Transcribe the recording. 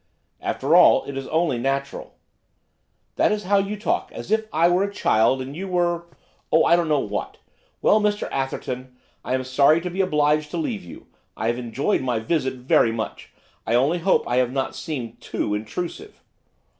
'After all, it is only natural.' 'That is how you talk, as if I were a child, and you were, oh I don't know what. Well, Mr Atherton, I am sorry to be obliged to leave you. I have enjoyed my visit very much. I only hope I have not seemed too intrusive.